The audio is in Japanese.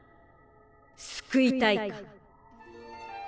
救いたいか？